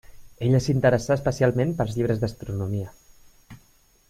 Ella s'interessà especialment pels llibres d'astronomia.